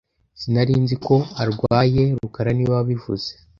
Sinari nzi ko arwaye rukara niwe wabivuze